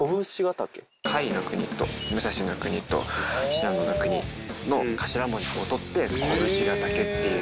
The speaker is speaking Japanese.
甲斐の国と武蔵の国と信濃の国の頭文字を取って甲武信ヶ岳っていう。